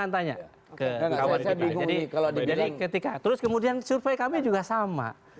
terus kemudian survei kami juga sama